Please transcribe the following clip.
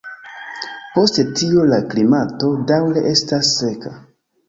Post tio la klimato daŭre estas seka.